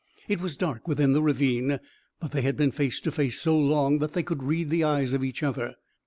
It was dark within the ravine, but they had been face to face so long that they could read the eyes of each other.